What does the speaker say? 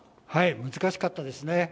難しかったですね。